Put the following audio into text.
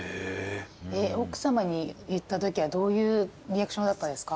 奥さまに言ったときはどういうリアクションだったんですか？